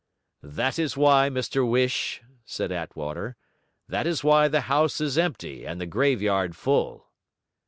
'That is why, Mr Whish,' said Attwater; 'that is why the house is empty and the graveyard full.'